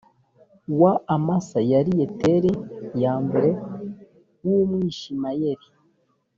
wa amasa yari yeteri l w umwishimayeli